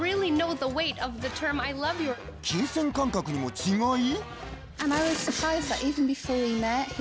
金銭感覚にも違い？